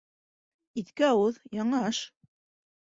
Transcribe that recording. Иҫке ауыҙ, яңы аш